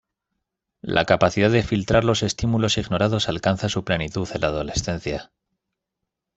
La capacidad de filtrar los estímulos ignorados alcanza su plenitud en la adolescencia.